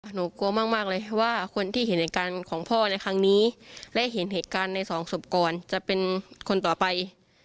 หนูกลัวมากเลยว่าคนที่เห็นเหตุการณ์ของพ่อในครั้งนี้และเห็นเหตุการณ์ในสองศพก่อนจะเป็นคนต่อไป